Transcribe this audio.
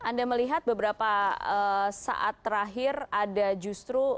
anda melihat beberapa saat terakhir ada justru